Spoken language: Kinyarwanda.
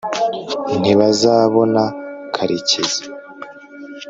ntibazabona karekezi